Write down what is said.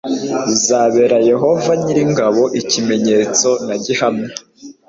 bizabera yehova nyir'ingabo ikimenyetso na gihamya